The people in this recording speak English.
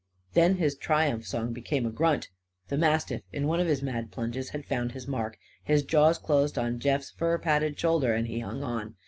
Then his triumph song became a grunt. The mastiff, in one of his mad lunges, had found his mark. His jaws closed on Jeff's furpadded shoulder; and he hung on.